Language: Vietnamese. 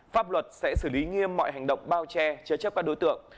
pháp luật sẽ xử lý nghiêm mọi hành động bao che chế chấp các đối tượng